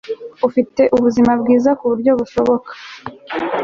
afite ubuzima bwiza ku buryo bushoboka